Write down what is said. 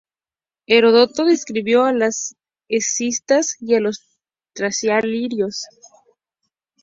Herodoto describió a los escitas y a los tracio-ilirios.